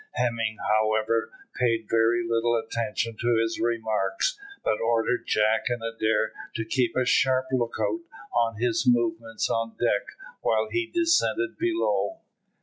Hemming, however, paid very little attention to his remarks, but ordered Jack and Adair to keep a sharp lookout on his movements on deck while he descended below.